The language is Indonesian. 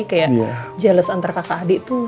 kayak jeles antara kakak adik tuh